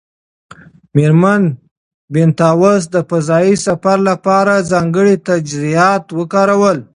مېرمن بینتهاوس د فضایي سفر لپاره ځانګړي تجهیزات وکارول.